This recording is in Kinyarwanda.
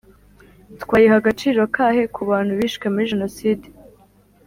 twayiha agaciro kahe ku bantu bishwe muri jenoside?